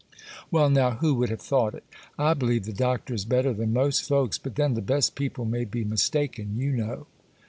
[A] Well now, who would have thought it? I believe the Doctor is better than most folks; but then the best people may be mistaken, you know.